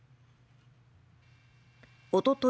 おととい